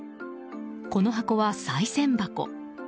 この箱は、さい銭箱。